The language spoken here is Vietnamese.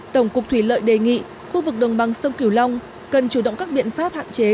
tổng cục thủy lợi đề nghị khu vực đồng bằng sông cửu long cần chủ động các biện pháp hạn chế